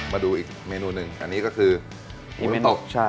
มาดูอีกเมนูหนึ่งอันนี้ก็คืออิมิตก